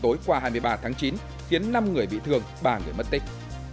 tối qua hai mươi ba tháng chín khiến năm người bị thương ba người mất tích